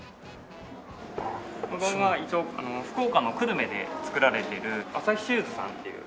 ここが一応福岡の久留米で作られているアサヒシューズさんっていう。